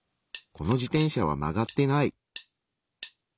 この自転車は曲がってない！